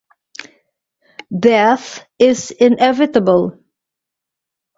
Death is inevitable.